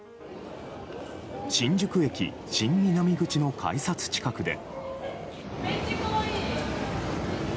新宿駅新南口の改札近くで。